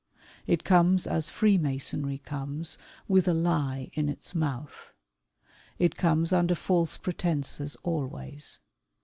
It comes as Freemasonry comes, with a lie in its mouth. It comes under false pretences always.